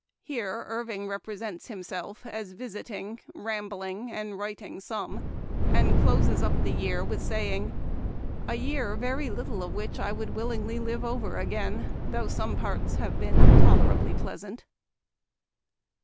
Here Irving represents himself as visiting, rambling, and writing some, and closes up the year with say ing, " A year very little of which I would will ingly live over again, though some parts have been tolerably pleasant."